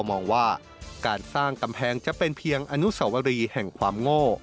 มองว่าการสร้างกำแพงจะเป็นเพียงอนุสวรีแห่งความโง่